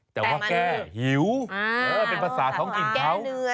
แต่ว่าแก้หิวเป็นภาษาท้องถิ่นเขา